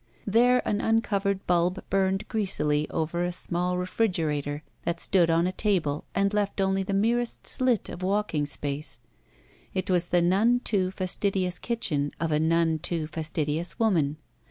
There an tmcovered bulb burned greasily over a small refrigerator, that stood on a table and left only the merest slit of walking space. It was the none too fastidious kitchen of a none too fastidious woman.